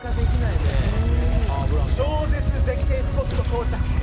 超絶絶景スポット到着！